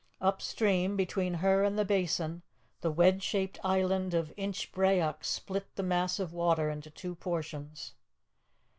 Upstream, between her and the Basin, the wedge shaped island of Inchbrayock split the mass of water into two portions.